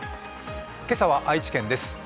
今朝は愛知県です。